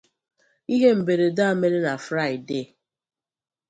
Ihe mberede a mere na Fraịdee